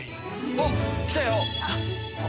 あっ来たよ！